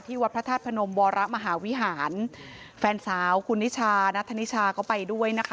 วัดพระธาตุพนมวรมหาวิหารแฟนสาวคุณนิชานัทธนิชาก็ไปด้วยนะคะ